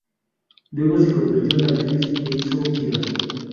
Luego se convirtió en actriz e hizo giras.